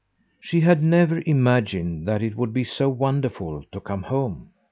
She had never imagined that it would be so wonderful to come home!